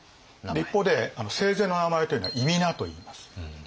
一方で生前の名前というのは諱といいます。